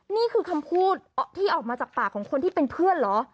นี่คือคำพูดที่ออกมาจากปากของคนที่เป็นเพื่อนเหรอ